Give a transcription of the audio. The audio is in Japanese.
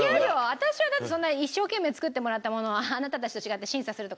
私はだってそんな一生懸命作ってもらったものをあなたたちと違って。